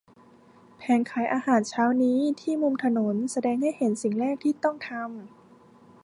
แผงขายอาหารเช้าที่มุมถนนแสดงให้เห็นสิ่งแรกที่ต้องทำ